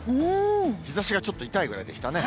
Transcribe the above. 日ざしがちょっと痛いくらいでしたね。